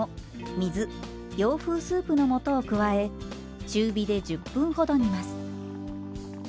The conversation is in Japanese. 水洋風スープの素を加え中火で１０分ほど煮ます。